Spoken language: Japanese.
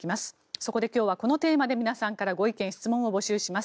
そこで今日はこのテーマで皆さんからご意見・質問を募集します。